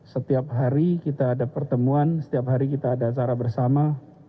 setiap hari kita ada pertemuan setiap hari kita ada acara bersama